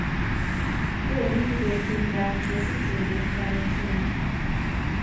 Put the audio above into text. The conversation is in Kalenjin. wendi kibet tumdo ab kesich jebet karon sinee